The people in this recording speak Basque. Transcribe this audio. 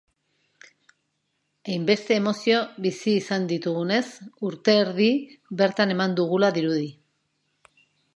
Hainbeste emozio bizi izan ditugunez, urte erdi bertan eman dugula dirudi.